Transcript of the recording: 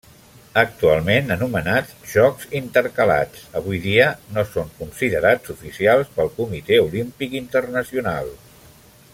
Actualment anomenats Jocs Intercalats, avui dia no són considerats oficials pel Comitè Olímpic Internacional.